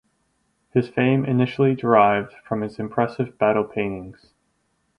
His fame initially derived from his impressive battle paintings.